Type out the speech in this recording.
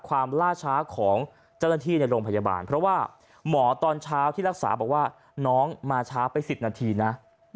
ล่าช้าของเจ้าหน้าที่ในโรงพยาบาลเพราะว่าหมอตอนเช้าที่รักษาบอกว่าน้องมาช้าไป๑๐นาทีนะ